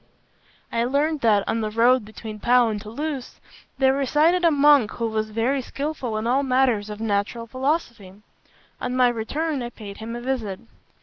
"I learned that, on the road between Pau and Toulouse, there resided a monk who was very skilful in all matters of natural philosophy. On my return, I paid him a visit.